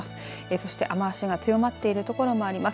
そして雨足が強まっている所もあります。